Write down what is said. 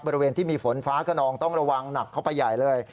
บริเวณที่มีฝนฟ้าขนองต้องระวังหนักเข้าไปใหญ่เลย